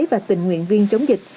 và tình nguyện viên chống dịch